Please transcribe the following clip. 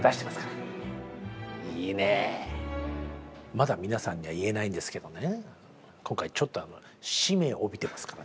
まだ皆さんには言えないんですけどね